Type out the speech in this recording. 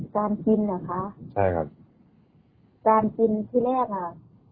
การกินเหรอคะใช่ครับการกินที่แรกอ่ะ